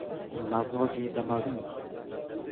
مزاج دموی